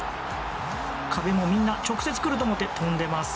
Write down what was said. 壁もみんな直接来ると思って跳んでいます。